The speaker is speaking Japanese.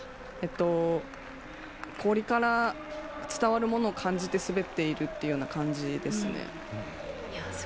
氷から伝わるものを感じて滑っているような感じです。